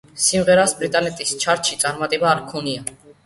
სიმღერას ბრიტანეთის ჩარტში წარმატება არ ჰქონია.